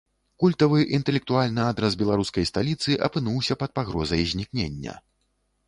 Культавы інтэлектуальны адрас беларускай сталіцы апынуўся пад пагрозай знікнення.